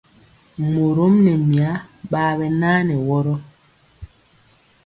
Morom nɛ mya ɓaa ɓɛ naa nɛ wɔrɔ.